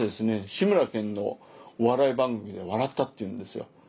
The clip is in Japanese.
志村けんのお笑い番組で笑ったっていうんですよ。